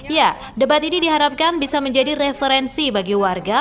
ya debat ini diharapkan bisa menjadi referensi bagi warga